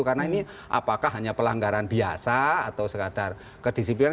karena ini apakah hanya pelanggaran biasa atau sekadar kedisiplin